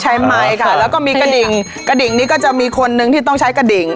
ไมค์ค่ะแล้วก็มีกระดิ่งกระดิ่งนี้ก็จะมีคนนึงที่ต้องใช้กระดิ่ง